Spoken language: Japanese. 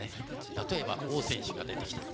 例えば王選手が出てきた。